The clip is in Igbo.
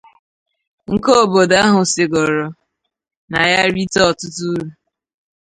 nke obodo ahụ sigoro na ya rite ọtụtụ úrù